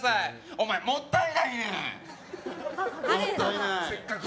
お前、もったいないねん！